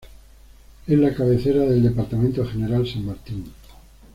Es la cabecera del Departamento General San Martín.